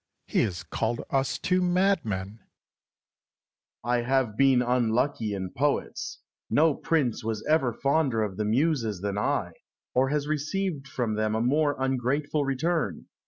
He has called us two madmen! Alexander. I have been unlucky in poets. No prince ever was fonder of the Muses than I, or has received from them a more ungrateful return.